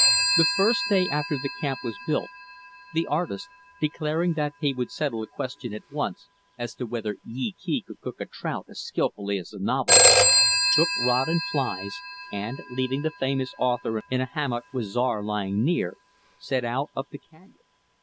The first day after the camp was built, the artist declaring that he would settle the question, at once, as to whether Yee Kee could cook a trout as skillfully as the novelist took rod and flies, and leaving the famous author in a hammock, with Czar lying near set out up the canyon.